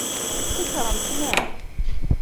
Tsekṛemt neɣ?